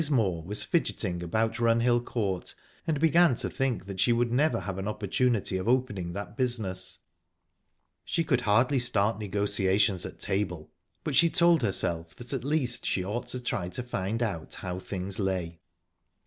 Moor was fidgeting about Runhill Court, and began to think that she would never have an opportunity of opening that business. She could hardly start negotiations at table, but she told herself that at least she ought to try to find out how things lay.